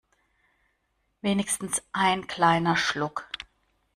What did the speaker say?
Wenigstens ein kleiner Schluck.